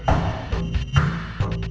saya akan cerita soal ini